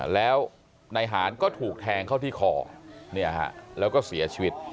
แล้วนายหานก็ถูกแทงเข้าที่คอแล้วก็เสียชีวิต